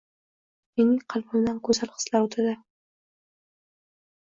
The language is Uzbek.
Mening qalbimdan go’zak hislar o‘tadi.